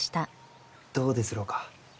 どうですろうか？